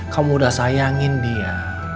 kamu udah sayangin dia